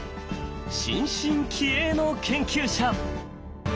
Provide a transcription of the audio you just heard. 新進気鋭の研究者。